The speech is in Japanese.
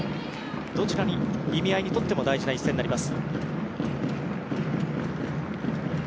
どちらの意味合いにとっても大事な一戦になります。